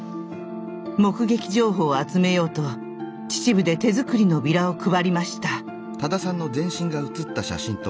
目撃情報を集めようと秩父で手作りのビラを配りました。